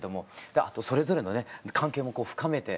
であとそれぞれのね関係も深めて。